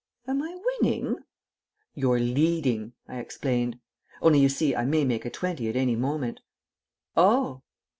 "Am I winning?" "You're leading," I explained. "Only, you see, I may make a twenty at any moment." "Oh!"